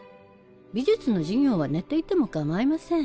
美術の授業は寝ていてもかまいません。